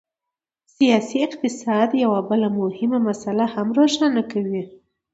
سیاسي اقتصاد یوه بله مهمه مسله هم روښانه کوي.